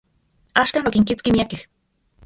Axkan, okinkitski miakej.